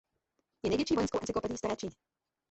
Je největší vojenskou encyklopedií staré Číny.